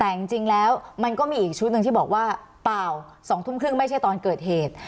แต่จริงแล้วมันก็มีอีกชุดหนึ่งที่บอกว่าเปล่า๒ทุ่มครึ่งไม่ใช่ตอนเกิดเหตุ